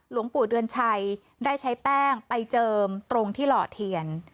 หลวงปู่เดือนชัยได้ใช้แป้งไปเจิมตรงที่หล่อเทียน